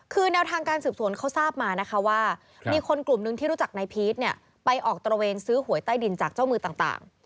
คือแนวทางการสืบสวนเขาทราบมานะคะว่ามีคนกลุ่มหนึ่งที่รู้จักนายพีชเนี่ยไปออกตระเวนซื้อหวยใต้ดินจากเจ้ามือต่าง